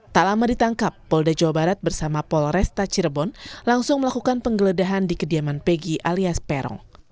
tak lama ditangkap polda jawa barat bersama polresta cirebon langsung melakukan penggeledahan di kediaman pegi alias peron